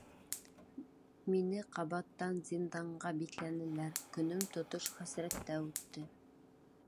Мине ҡабаттан зинданға бикләнеләр, көнөм тотош хәсрәттә үтте.